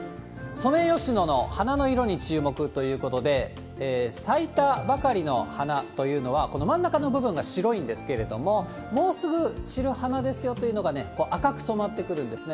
ソメイヨシノの花の色に注目ということで、咲いたばかりの花というのは、この真ん中の部分が白いんですけれども、もうすぐ散る花ですよというのが、こう、赤く染まってくるんですね。